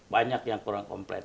banyak yang kurang komplain